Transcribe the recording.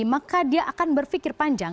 maka dia akan berpikir panjang